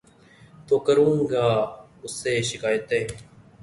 تو کروں گا اُس سے شکائتیں